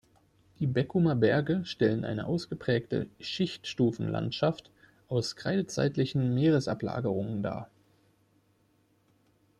Die Beckumer Berge stellen eine ausgeprägte Schichtstufenlandschaft aus kreidezeitlichen Meeresablagerungen dar.